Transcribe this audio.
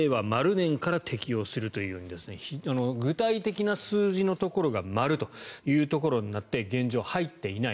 ○年から適用するという具体的な数字のところが○というところになって現状、入っていない。